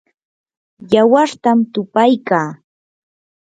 yawartam tuqaykaa.